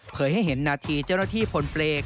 เผยให้เห็นหน้าที่เจ้าหน้าที่ผลเปรก